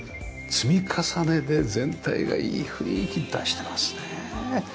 積み重ねで全体がいい雰囲気出してますね。